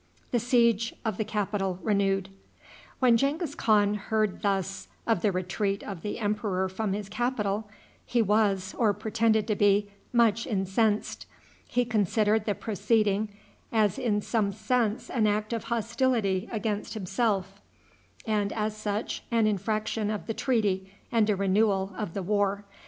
When Genghis Khan heard thus of the retreat of the emperor from his capital, he was, or pretended to be, much incensed. He considered the proceeding as in some sense an act of hostility against himself, and, as such, an infraction of the treaty and a renewal of the war.